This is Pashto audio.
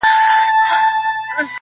کفن کښ ظالم کړې ورک له دغه ځایه-